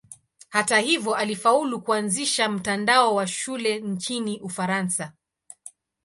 Hata hivyo alifaulu kuanzisha mtandao wa shule nchini Ufaransa.